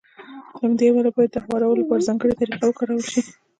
له همدې امله يې بايد د هوارولو لپاره ځانګړې طريقه وکارول شي.